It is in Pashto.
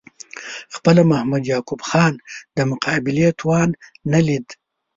خپله محمد یعقوب خان د مقابلې توان نه لید.